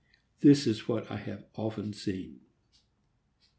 This is what I have often seen.